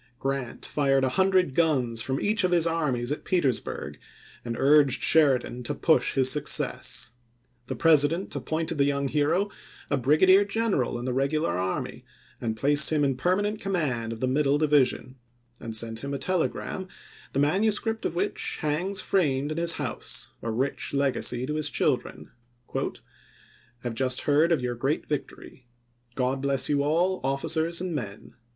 Grant fired a hundred guns from each of his armies at Petersburg and urged Sheridan to " push his success." The President appointed the young hero a brigadier general in the regular army and placed him in permanent command of the Middle Division ; and sent him a telegram, the manuscript of which hangs framed in his house, a rich legacy to his children :" Have just heard of your great victory. God bless you all, officers and men.